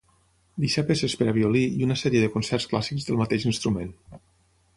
Deixà peces per a violí i una sèrie de concerts clàssics del mateix instrument.